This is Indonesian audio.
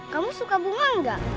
kamu suka bunga enggak